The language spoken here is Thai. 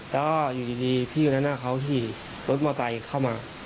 แล้วก็อยู่ดีพี่อยู่หน้าเค้าที่รถมอเตยเข้ามา